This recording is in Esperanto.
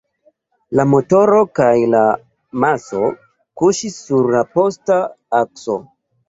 La motoro kaj la maso kuŝis sur la posta akso.